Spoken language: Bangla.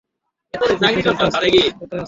স্পেশাল টাস্ক ফোর্স পথে আছে।